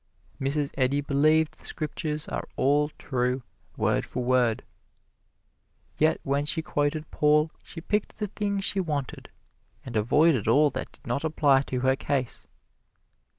Mrs. Eddy believed the Scriptures are all true, word for word. Yet when she quoted Paul she picked the thing she wanted and avoided all that did not apply to her case.